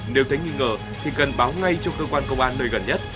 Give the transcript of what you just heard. nếu thấy nghi ngờ thì cần báo ngay cho cơ quan công an nơi gần nhất